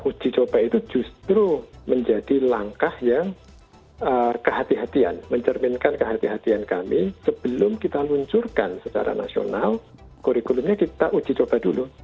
uji coba itu justru menjadi langkah yang kehatian mencerminkan kehatian kami sebelum kita luncurkan secara nasional kurikulumnya kita uji coba dulu